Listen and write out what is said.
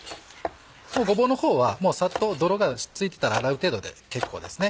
ごぼうの方はサッと泥が付いてたら洗う程度で結構ですね